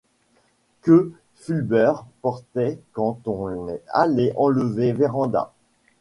Que Fulbert portait quand on est allé enlever Vérand'a.